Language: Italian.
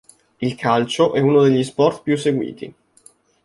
Il calcio è uno degli sport più seguiti.